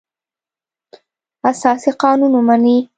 اساسي قانون ومني.